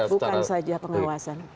bukan saja pengawasan